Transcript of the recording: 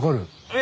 え！